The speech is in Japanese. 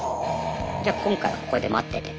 じゃ今回はここで待っててと。